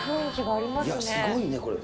いや、すごいね、これ。